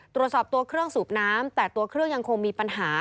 ตรวจสอบตัวเครื่องสูบน้ำแต่ตัวเครื่องยังคงมีปัญหา